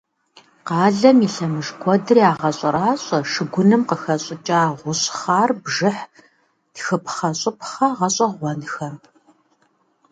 Къалэм и лъэмыж куэдыр ягъэщӀэращӀэ шыгуным къыхэщӀыкӀа гъущӀхъар бжыхь тхыпхъэщӀыпхъэ гъэщӀэгъуэнхэм.